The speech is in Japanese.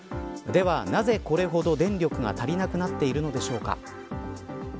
では、なぜこれほど電力が足りなくなっているのでしょうか。